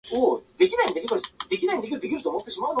お前らいい加減にしろよ